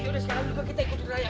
yaudah sekarang kita ikut raya